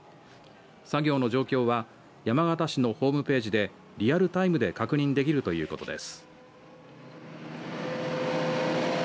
作業の状況は山形市のホームページでリアルタイムで確認できるということです。